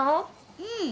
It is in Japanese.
うん。